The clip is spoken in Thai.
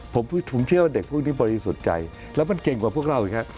ผมเชื่อว่าเด็กพวกนี้บริสุทธิ์ใจแล้วมันเก่งกว่าพวกเราอีกครับ